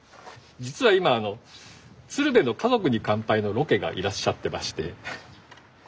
実は今あの「鶴瓶の家族に乾杯」のロケがいらっしゃってまして。